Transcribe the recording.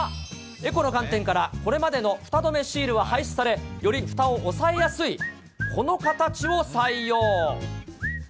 猫の観点からこれまでのフタどめシールは廃止され、よりフタを押さえやすい、この形を採用。